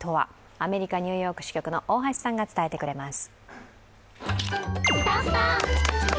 アメリカ・ニューヨーク支局の大橋さんが伝えてくれます。